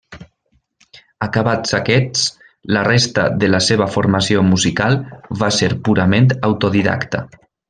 Acabats aquests, la resta de la seva formació musical va ser purament autodidacta.